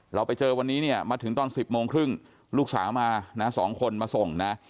เราไปเจอวันนี้เนี่ยมาถึงตอน๑๐โมงครึ่งลูกสาวมานะ๒คนมาส่งนะ